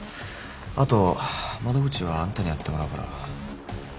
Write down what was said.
あと窓口はあんたにやってもらうから。